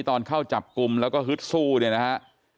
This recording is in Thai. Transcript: ตอนเข้าจับกลุ่มแล้วก็ฮึดสู้เนี่ยนะฮะ